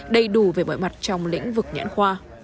đầy đủ về mọi mặt trong lĩnh vực nhãn khoa